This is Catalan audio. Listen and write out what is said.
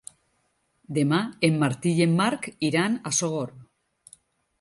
Demà en Martí i en Marc iran a Sogorb.